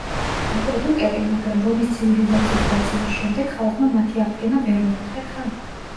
აკვედუკები, მაგრამ რომის ცივილიზაციის დაცემის შემდეგ ხალხმა მათი აღდგენა ვერ მოახერხა.